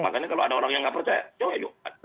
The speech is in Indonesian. makanya kalau ada orang yang nggak percaya yuk ayo